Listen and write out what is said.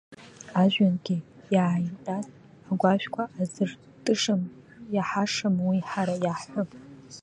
Ажәҩангьы иааимҟьаз агәашәқәа азыртышам, иаҳашам уи ҳара иаҳҳәо…